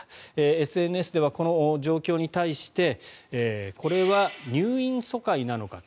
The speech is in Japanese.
ＳＮＳではこの状況に対してこれは入院疎開なのかと。